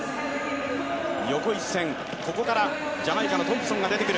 横一線、ここからジャマイカのトンプソンが出てくる！